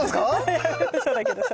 いやうそだけどさ。